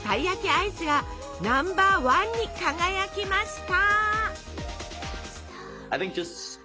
アイスがナンバーワンに輝きました！